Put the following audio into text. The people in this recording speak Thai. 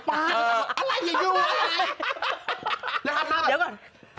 อะไรอยู่อะไร